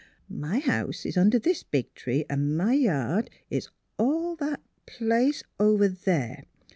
*' My house is under this big tree, and my yard is all that place over there.